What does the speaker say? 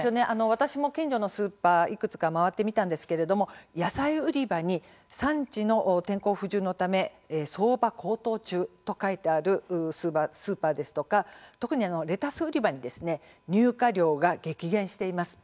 私も近所のスーパーいくつか回ってみたんですけれども野菜売り場に産地の天候不順のため、相場高騰中と書いてあるスーパーですとか特にレタス売り場に入荷量が激減しています。